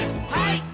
はい！